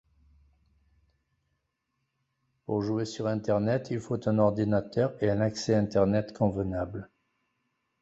Pour jouer sur Internet il faut un ordinateur et un accès internet convenable.